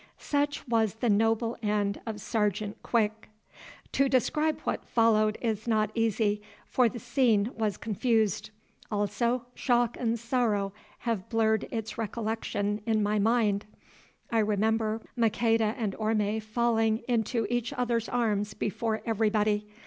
Such was the noble end of Sergeant Quick. To describe what followed is not easy, for the scene was confused. Also shock and sorrow have blurred its recollection in my mind. I remember Maqueda and Orme falling into each other's arms before everybody.